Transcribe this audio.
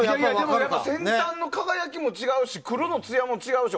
先端の輝きが違うし黒のつやも違うし。